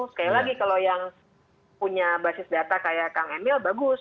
sekali lagi kalau yang punya basis data kayak kang emil bagus